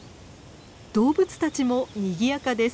動物たちもにぎやかです。